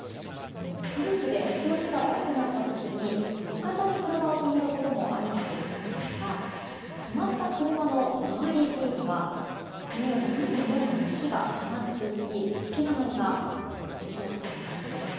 吹雪で見通しが悪くなった時に路肩に車を止めることもあるかと思うんですが止まった車の周りというのはこのようにどんどん雪がたまっていき吹きだまりができやすいんですね。